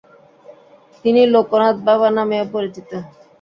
তিনি লোকনাথ বাবা নামেও পরিচিত।